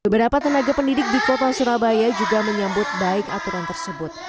beberapa tenaga pendidik di kota surabaya juga menyambut baik aturan tersebut